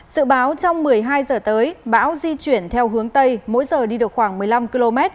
sự báo trong một mươi hai giờ tới bão di chuyển theo hướng tây mỗi giờ đi được khoảng một mươi năm km